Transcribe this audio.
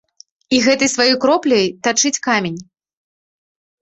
І гэтай сваёй кропляй тачыць камень.